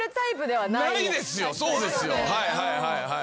はいはいはいはい。